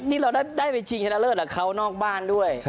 นี่เราได้ชิงชนะเลิศก่อนนอกบ้านด้วย